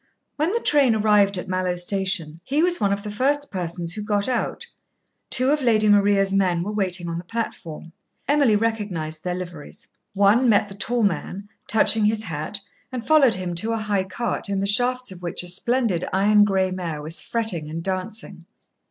When the train arrived at Mallowe station, he was one of the first persons who got out. Two of Lady Maria's men were waiting on the platform. Emily recognised their liveries. One met the tall man, touching his hat, and followed him to a high cart, in the shafts of which a splendid iron gray mare was fretting and dancing.